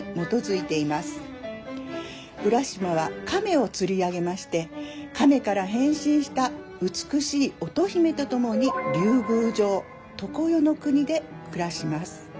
浦島は亀を釣り上げまして亀から変身した美しい乙姫と共に竜宮城常世の国で暮らします。